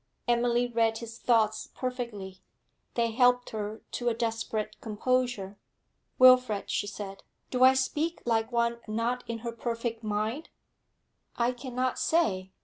Emily read his thoughts perfectly; they helped her to a desperate composure. 'Wilfrid,' she said, 'do I speak like one not in her perfect mind?' 'I cannot say.